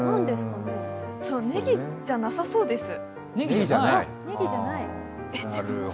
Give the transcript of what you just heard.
ねぎじゃなさそうです。